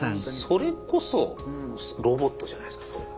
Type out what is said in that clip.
それこそロボットじゃないですかそれは。